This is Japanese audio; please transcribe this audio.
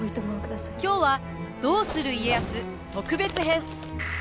今日は「どうする家康特別編」！